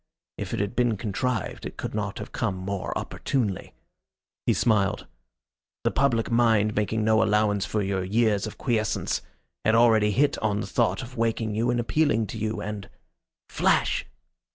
If it had been contrived it could not have come more opportunely." He smiled. "The public mind, making no allowance for your years of quiescence, had already hit on the thought of waking you and appealing to you, and Flash!"